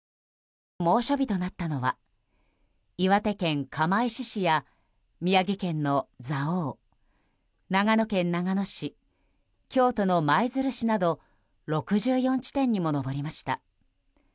猛暑日となったのは岩手県釜石市や宮城県の蔵王、長野県長野市京都の舞鶴市など６４地点にも上りました。